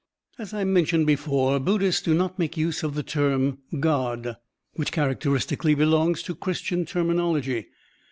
As I mentioned before, Buddhists do not make use of the term God, which characteristically belongs to Christian terminology.